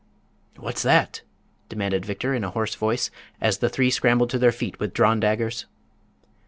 "What's that?" demanded Victor, in a hoarse voice, as the three scrambled to their feet with drawn daggers.